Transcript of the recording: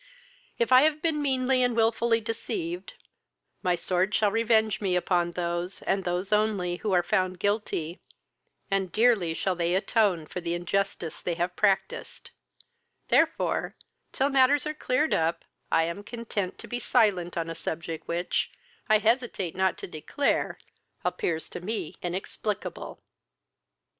If I have been meanly and wilfully deceived, my sword shall revenge me upon those, and those only, who are found guilty, and dearly shall they atone for the injustice they have practised; therefore, till matters are cleared up, I am content to be silent on a subject which, I hesitate not to declare, appears to me inexplicable."